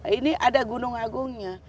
ini ada gunung agungnya